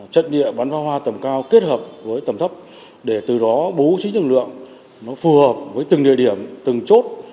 trận địa bắn phá hoa tầm cao kết hợp với tầm thấp để từ đó bố trí lực lượng nó phù hợp với từng địa điểm từng chốt